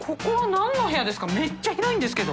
めっちゃ広いんですけど。